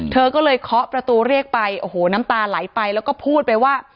เธอก็เลยเคาะประตูเรียกไปโอ้โหน้ำตาไหลไปแล้วก็พูดไปว่า